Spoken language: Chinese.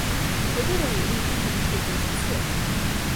绝对的武力并不能解决一切。